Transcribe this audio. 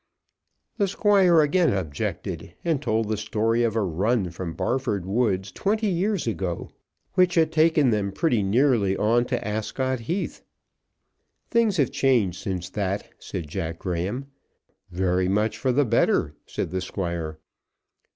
The Squire again objected, and told the story of a run from Barford Woods twenty years ago which had taken them pretty nearly on to Ascot Heath. "Things have changed since that," said Jack Graham. "Very much for the better," said the Squire.